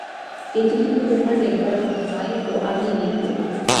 এ চিঠি তো তোমার লেখবার কথা নয়–ও আমিই লিখব।